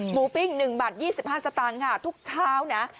หมูปิ้ง๑บาท๒๕สตางค์ทุกเช้านะ